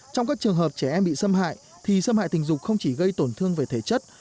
trong các trường hợp trẻ em bị xâm hại thì xâm hại tình dục không chỉ gây tổn thương về thể chất